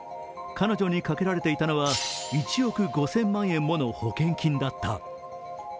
彼女にかけられていたのは１億５０００万円もの保険金だった。